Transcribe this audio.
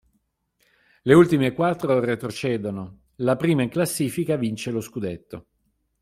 Le ultime quattro retrocedono, la prima in classifica vince lo scudetto.